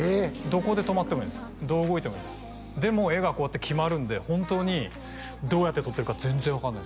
どこで止まってもいいんですどう動いてもいいんですでも画がこうやって決まるんで本当にどうやって撮ってるか全然分かんないんです